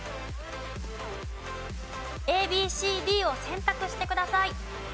ＡＢＣＤを選択してください。